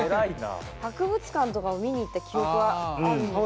博物館とかも見に行った記憶はあるんですけど。